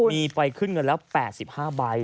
มีไปขึ้นเงินแล้ว๘๕ใบ